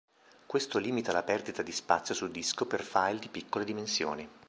Questo limita la perdita di spazio su disco per file di piccole dimensioni.